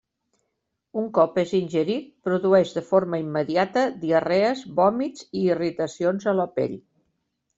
Un cop és ingerit produeix de forma immediata diarrees, vòmits i irritacions a la pell.